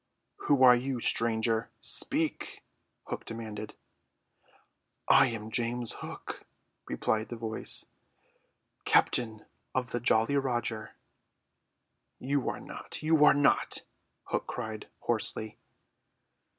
"Who are you, stranger? Speak!" Hook demanded. "I am James Hook," replied the voice, "captain of the Jolly Roger." "You are not; you are not," Hook cried hoarsely.